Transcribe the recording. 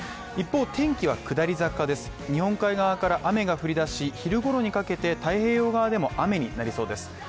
一方、天気は下り坂です、日本海側から雨が降りだし昼ごろにかけて太平洋側でも雨になりそうです。